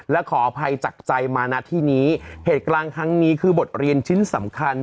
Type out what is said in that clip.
และขออภัยจากใจมาณที่นี้เหตุกลางครั้งนี้คือบทเรียนชิ้นสำคัญ